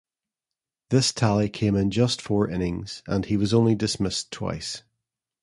This tally came in just four innings and he was only dismissed twice.